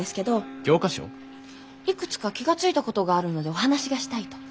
いくつか気が付いたことがあるのでお話がしたいと。